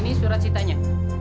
dan ini surat ceritanya